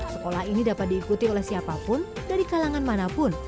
sekolah ini dapat diikuti oleh siapapun dari kalangan manapun